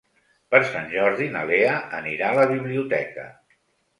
Per Sant Jordi na Lea anirà a la biblioteca.